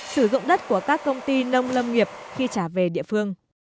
sử dụng đất của các công ty nông lâm nghiệp khi trả về địa phương